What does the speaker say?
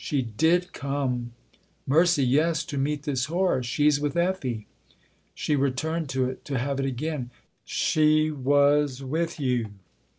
"She did come ?"" Mercy, yes to meet this horror. She's with Effie." She returned to it, to have it again. " She was with you